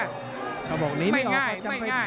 ไม่ง่ายไม่ง่าย